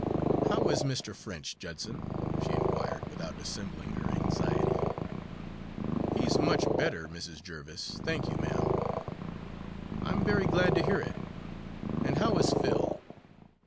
"How is Mr. French, Judson?" she inquired, without dissembling her anxiety. "He's much better, Mrs. Jerviss, thank you, ma'am." "I'm very glad to hear it; and how is Phil?"